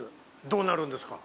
どうなるんですか？